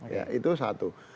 ya itu satu